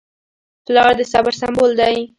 پلار د صبر سمبول دی.